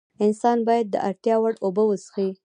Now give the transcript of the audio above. انسان باید د اړتیا وړ اوبه وڅښي